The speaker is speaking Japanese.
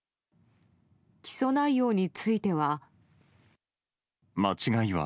起訴内容については。